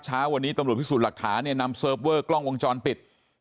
เช้าวันนี้ตำรวจพิสูจน์หลักฐานเนี่ยนำเซิร์ฟเวอร์กล้องวงจรปิด